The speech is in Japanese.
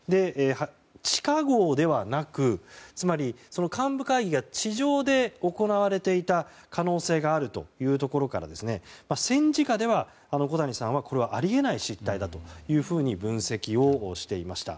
地下壕ではなく、幹部会議は地上で行われていた可能性があるというところから戦時下では小谷さんは、これはあり得ない失態だというふうに分析をしていました。